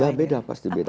ya beda pasti beda